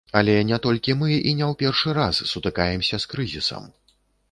Але не толькі мы і не ў першы раз сутыкаемся з крызісам.